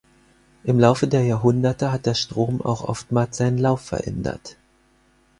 Im Laufe der Jahrhunderte hat der Strom auch oftmals seinen Lauf geändert.